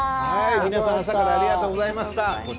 皆さん朝からありがとうございました。